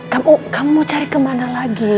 kamu kamu cari kemana lagi